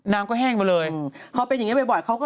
น้ำก็แห้งไปเลย